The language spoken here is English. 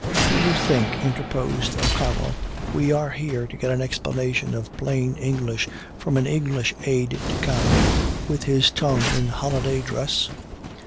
'" "Do you think," interposed O'Connell, "we are here to get an explanation of plain English from an English Aide de Camp, with his tongue in holiday dress?"